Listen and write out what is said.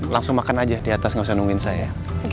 langsung makan aja diatas gak usah nungguin saya